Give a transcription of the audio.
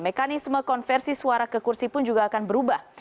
mekanisme konversi suara kekursi pun juga akan berubah